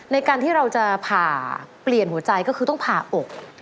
ในการที่เราจะผ่าเปลี่ยนหัวใจก็คือต้องผ่าอก